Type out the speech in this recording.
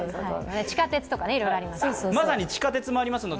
地下鉄とか、いろいろありますから。